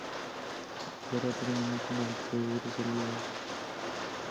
La guerra termina con la victoria de los Aliados.